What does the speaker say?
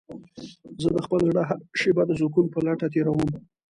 زه د خپل زړه هره شېبه د سکون په لټه تېرووم.